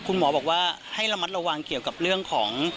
คุณหมอบอกว่าให้ระมัดระวังเกี่ยวกับเรื่องของ